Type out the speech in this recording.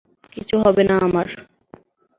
কিচ্ছু হবে না আমার।